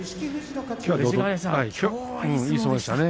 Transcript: きょうはいい相撲でしたね